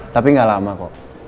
tapi gak lama kok